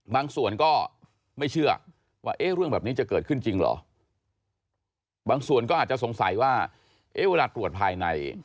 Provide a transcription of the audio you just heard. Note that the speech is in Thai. ก็ไม่เชื่อว่าเอ๊ะเรื่องแบบนี้จะเกิดขึ้นจริงเหรอบางส่วนก็อาจจะสงสัยว่าเอ๊ะเวลาตรวจภายใน